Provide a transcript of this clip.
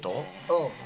うん。